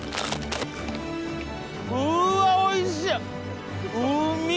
うわおいしい！